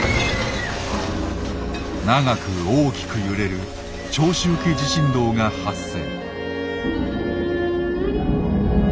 長く大きく揺れる長周期地震動が発生。